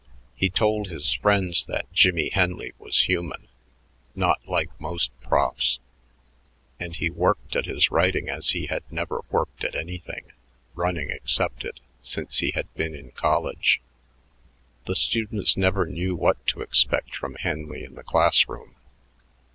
He told his friends that Jimmie Henley was human, not like most profs. And he worked at his writing as he had never worked at anything, running excepted, since he had been in college. The students never knew what to expect from Henley in the class room.